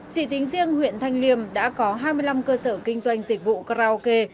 chỉ tính riêng huyện thanh liêm đã có hai mươi năm cơ sở kinh doanh dịch vụ karaoke